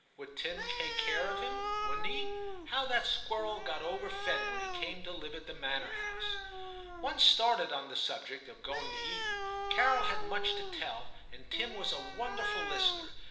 Would Tim take care of him ? wouldn't he ? How that squirrel got over fed when he came to live at the manor house ! Once started on the subject of going to 54 TIM CHAP. Eton, Carol had much to tell, and Tim was a wonderful listener.